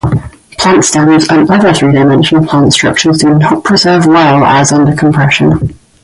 Plant stems and other three-dimensional plant structures do not preserve as well under compression.